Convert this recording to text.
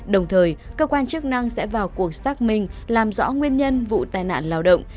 đồng thời cơ quan chức năng sẽ vào cuộc xác minh làm rõ nguyên nhân vụ tai nạn lao động